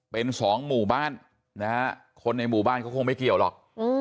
เป็นสองหมู่บ้านนะฮะคนในหมู่บ้านเขาคงไม่เกี่ยวหรอก